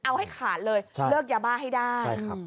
เอาให้ขาดเลยเลิกยาบ้าให้ได้